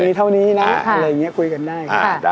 งบแบบนี้เท่านี้นะคุยกันได้